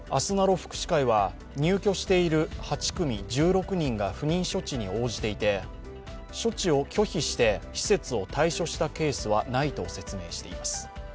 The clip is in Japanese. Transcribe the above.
福祉会は入居している８組１６人が不妊処置に応じていて処置を拒否して、施設を退所したケースはないと説明しています。